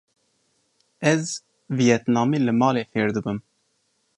Ez viyetnamî li malê fêr dibim.